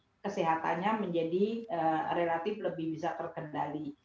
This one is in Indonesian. jadi kesehatannya menjadi relatif lebih bisa terkendali